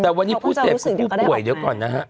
แต่วันนี้ผู้เสพผู้ป่วยเดี๋ยวก่อนนะฮะ